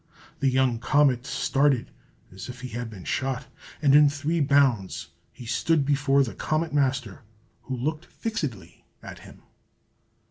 The young comet started as if he had been shot, and in three bounds he stood before the Comet Master, who looked fixedly at him.